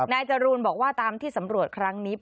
จรูนบอกว่าตามที่สำรวจครั้งนี้